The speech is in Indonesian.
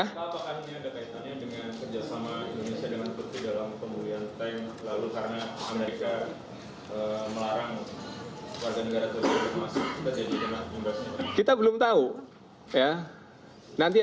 pak apakah ini ada kaitannya dengan kerjasama indonesia dengan ketua dalam pemulihan time